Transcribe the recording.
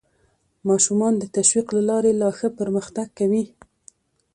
ماشومان د تشویق له لارې لا ښه پرمختګ کوي